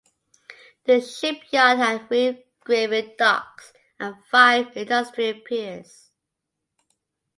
The shipyard had three graving docks, and five industrial piers.